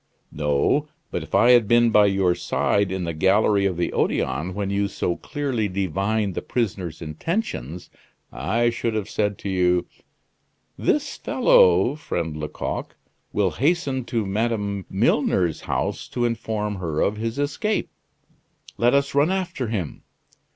"No; but if I had been by your side in the gallery of the Odeon, when you so clearly divined the prisoner's intentions, I should have said to you: 'This fellow, friend Lecoq, will hasten to Madame Milner's house to inform her of his escape. Let us run after him.